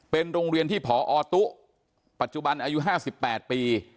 เป็นโรงเรียนที่พอตุ๊ปัจจุบันอายุ๕๘ปี